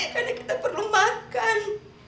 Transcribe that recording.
karena kita perlu makan